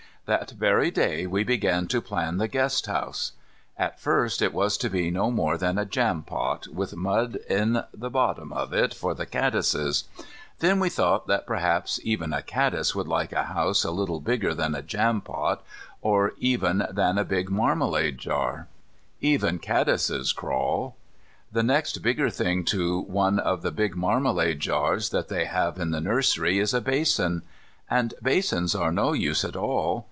That very day we began to plan the guest house. At first it was to be no more than a jam pot, with mud in the bottom of it for the caddises. Then we thought that perhaps even a caddis would like a house a little bigger than a jam pot, or even than a big marmalade jar. Even caddises crawl. The next bigger thing to one of the big marmalade jars that they have in the nursery is a basin. And basins are no use at all.